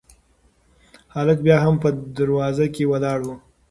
هلک بیا هم په دروازه کې ولاړ و.